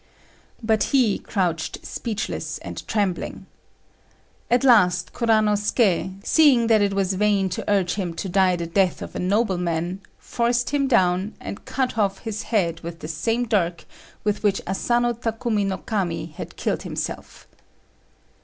_ But he crouched speechless and trembling. At last Kuranosuké, seeing that it was vain to urge him to die the death of a nobleman, forced him down, and cut off his head with the same dirk with which Asano Takumi no Kami had killed himself.